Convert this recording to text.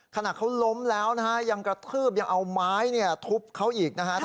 ขณะเขาล้มแล้วนะฮะยังกระทืบยังเอาไม้ทุบเขาอีกนะฮะ